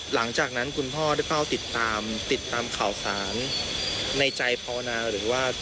หลังจากนั้นคุณพ่อได้เฝ้าติดตามติดตามข่าวสารในใจภาวนาหรือว่า